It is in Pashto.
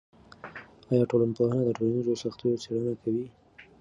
آیا ټولنپوهنه د ټولنیزو سختیو څیړنه کوي؟